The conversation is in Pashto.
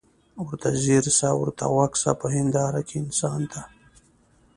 ورته ځیر سه ورته غوږ سه په هینداره کي انسان ته